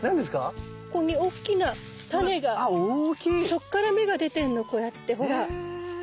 そっから芽が出てんのこうやってほら。